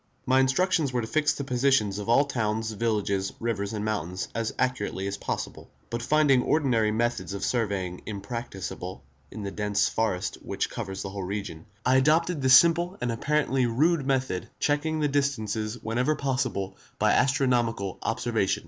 My instructions were to fix the positions of all towns, villages, rivers and mountains as accurately as possible; but finding ordinary methods of surveying impracticable in the dense forest which covers the whole region, I adopted this simple and apparently rude method, checking the distances whenever possible by astronomical observation.